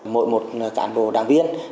mỗi một cán bộ đảng viên